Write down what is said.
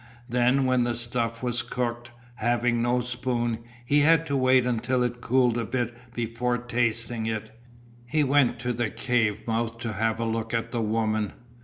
Then when the stuff was cooked, having no spoon, he had to wait until it cooled a bit before tasting it. He went to the cave mouth to have a look at the woman.